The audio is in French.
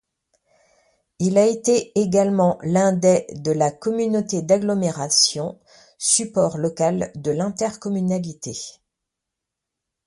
Il a été également l'un des de la communauté d'agglomération, support local de l'intercommunalité.